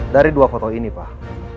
dari dua foto ini pak